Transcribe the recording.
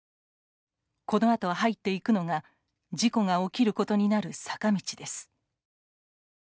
このあと入っていくのが事故が起きることになる坂道です。